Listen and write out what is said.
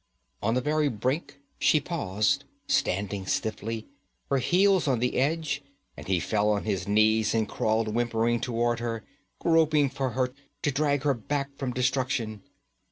On the very brink she paused, standing stiffly, her heels on the edge, and he fell on his knees and crawled whimpering toward her, groping for her, to drag her back from destruction.